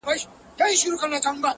ستونزې ډېرېده اكثر؛